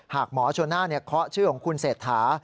หากหมอชนน่าเคาะชื่อของคุณเศรษฐา